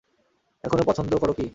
এখনও পছন্দ করো কি?